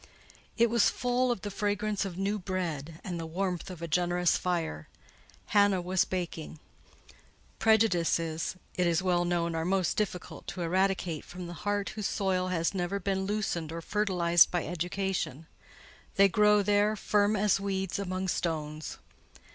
It was full of the fragrance of new bread and the warmth of a generous fire. Hannah was baking. Prejudices, it is well known, are most difficult to eradicate from the heart whose soil has never been loosened or fertilised by education: they grow there, firm as weeds among stones.